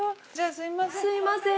すみません。